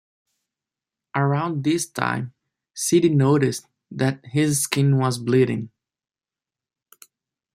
Around this time, Sid noticed that his skin was bleeding.